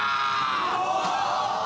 お！